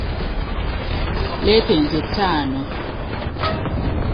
Leeta ente ttaano.